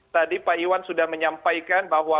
tadi pak iwan sudah menyampaikan bahwa